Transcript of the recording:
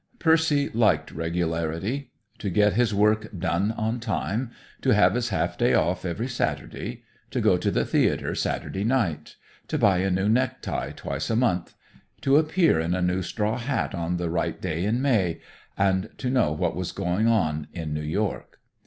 Percy liked regularity: to get his work done on time, to have his half day off every Saturday, to go to the theater Saturday night, to buy a new necktie twice a month, to appear in a new straw hat on the right day in May, and to know what was going on in New York.